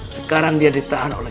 sekarang dia ditahan oleh